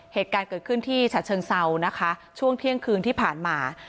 เหตุการณ์เกิดขึ้นที่ฉะเชิงเซานะคะช่วงเที่ยงคืนที่ผ่านมา